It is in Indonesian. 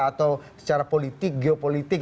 atau secara politik geopolitik